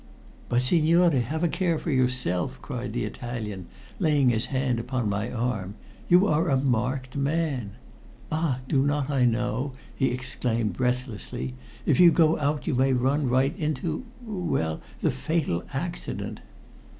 "But, signore, have a care for yourself," cried the Italian, laying his hand upon my arm. "You are a marked man. Ah! do I not know," he exclaimed breathlessly. "If you go out you may run right into well, the fatal accident."